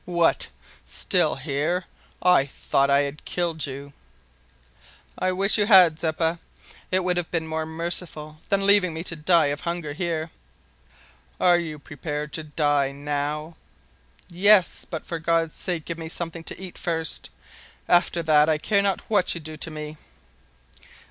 "What! still there? I thought I had killed you." "I wish you had, Zeppa. It would have been more merciful than leaving me to die of hunger here." "Are you prepared to die now?" "Yes, but for God's sake give me something to eat first. After that I care not what you do to me."